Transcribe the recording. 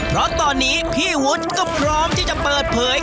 เพราะตอนนี้พี่วุฒิก็พร้อมที่จะเปิดเผย